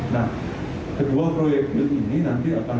nah kedua proyek ini nanti akan